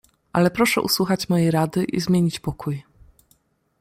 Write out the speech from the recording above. "Ale proszę usłuchać mojej rady i zmienić pokój."